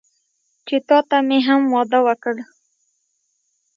چې تاته مې هم واده وکړ.